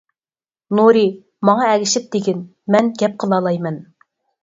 نۇرى: ماڭا ئەگىشىپ دېگىن، مەن گەپ قىلالايمەن.